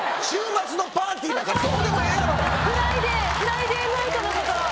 フライデーナイトのこと。